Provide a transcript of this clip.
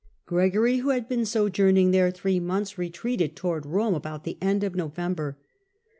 Gregory, who had been sojourning there three months, retreated towards Rome about the end of November.